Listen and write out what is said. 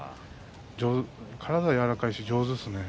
体が柔らかいし上手ですね